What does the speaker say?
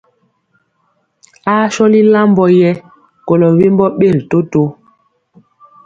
Aa sɔli lambɔ yɛ kolɔ wembɔ ɓeri toto.